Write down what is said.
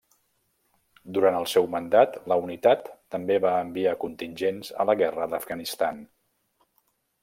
Durant el seu mandat la Unitat també va enviar contingents a la Guerra d'Afganistan.